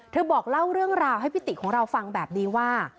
บอกเล่าเรื่องราวให้พิติของเราฟังแบบนี้ว่า